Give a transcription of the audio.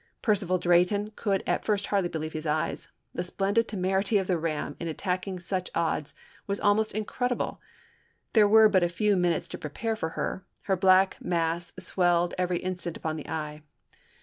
Percival Drayton could at first hardly believe his eyes ; the splendid temerity of the ram in attacking such 0f8tn?iK?yt odds was almost incredible. There were but a few P. 407, minutes to prepare for her ; her black mass swelled every instant upon the eye.